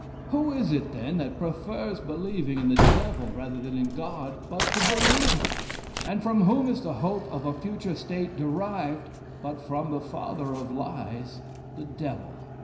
Who is it, then, that prefers believing in the Devil rather than in God, but the believer? And from whom is the hope of a future state derived, but from the father of lies the Devil?